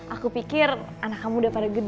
aku pikir anak kamu udah pada gede